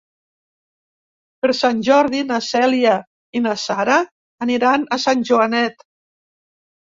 Per Sant Jordi na Cèlia i na Sara aniran a Sant Joanet.